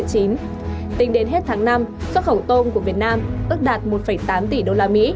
tính đến hết tháng năm xuất khẩu tôm của việt nam ước đạt một tám tỷ usd